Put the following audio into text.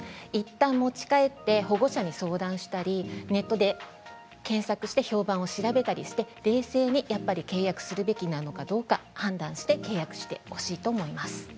いったん持ち帰って保護者に相談したりネットで検索して評判を調べたりして冷静に契約するべきなのかどうか判断して契約してほしいと思います。